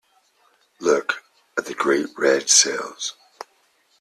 Look at the great red sails!